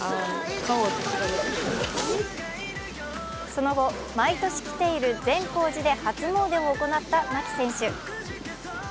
その後、毎年来ている善光寺で初詣を行った牧選手。